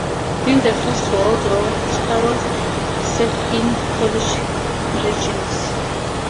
In the First World War Stawarz served in Polish Legions.